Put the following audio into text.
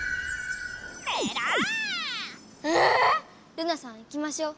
ルナさん行きましょう。